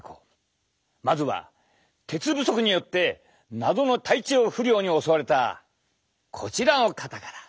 まずは鉄不足によって謎の体調不良に襲われたこちらの方から。